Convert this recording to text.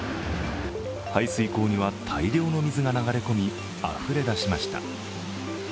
排水溝には大量の水が流れ込みあふれ出しました。